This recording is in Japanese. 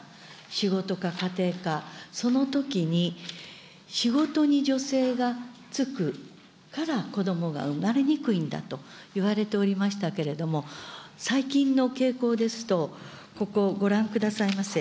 仕事か家庭か、そのときに、仕事に女性が就くから子どもが生まれにくいんだと言われておりましたけれども、最近の傾向ですと、ここ、ご覧くださいませ。